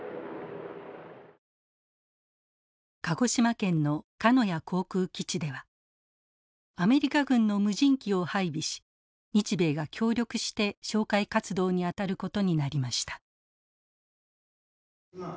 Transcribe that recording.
鹿児島県の鹿屋航空基地ではアメリカ軍の無人機を配備し日米が協力して哨戒活動に当たることになりました。